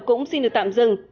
cũng xin được tạm dừng